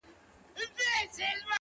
څه دي راوکړل د قرآن او د ګیتا لوري،